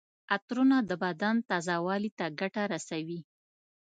عطرونه د بدن تازه والي ته ګټه رسوي.